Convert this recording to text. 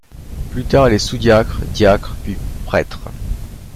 Plus tard, il est sous-diacre, diacre puis prêtre.